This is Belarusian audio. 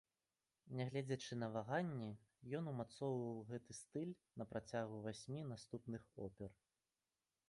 Нягледзячы на ваганні, ён умацоўваў гэты стыль на працягу васьмі наступных опер.